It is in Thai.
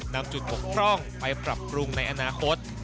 นำจุดบกพร่องไปปรับปรุงในอนาคต